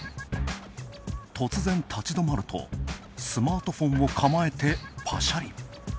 突然立ち止まるとスマートフォンを構えてパシャリ。